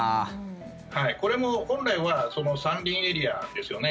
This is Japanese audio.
これも本来は山林エリアですよね。